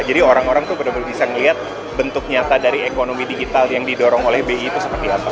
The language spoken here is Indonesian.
jadi orang orang itu benar benar bisa melihat bentuk nyata dari ekonomi digital yang didorong oleh bi itu seperti apa